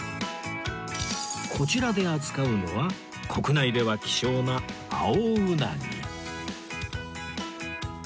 こちらで扱うのは国内では希少な青うなぎ